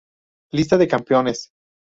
Lista de Campeones